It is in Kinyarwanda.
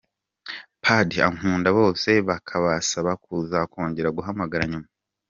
Paddy Ankunda, bose bakabasaba kuza kongera guhamara nyuma.